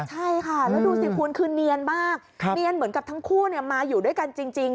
ใช่ค่ะแล้วดูสิคุณคือเนียนมากเนียนเหมือนกับทั้งคู่มาอยู่ด้วยกันจริง